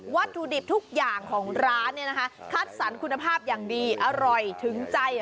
วัตถุดิบทุกอย่างของร้านเนี่ยนะคะคัดสรรคุณภาพอย่างดีอร่อยถึงใจ